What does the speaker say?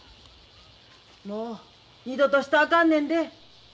もう二度としたらあかんねんで。